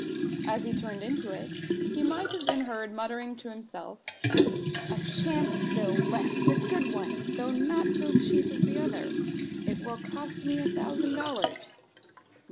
As he turned into it he might have been heard muttering to himself "A chance still left; a good one, though not so cheap as the other. It will cost me a thousand dollars.